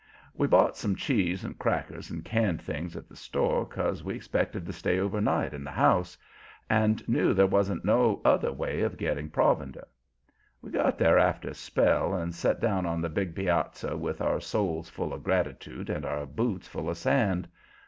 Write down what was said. We bought some cheese and crackers and canned things at the store, 'cause we expected to stay overnight in the house, and knew there wasn't no other way of getting provender. We got there after a spell and set down on the big piazza with our souls full of gratitude and our boots full of sand.